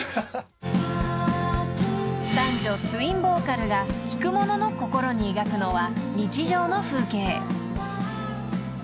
［男女ツインボーカルが聴く者の心に描くのは日常の風景］